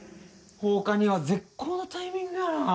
放火には絶好のタイミングやな。